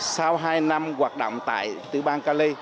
sau hai năm hoạt động tại tư ban cali